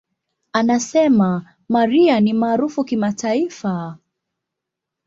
Anasema, "Mariah ni maarufu kimataifa.